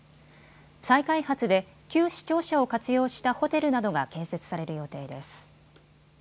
再開発で旧市庁舎を活用したホテルなどが建設される予定です。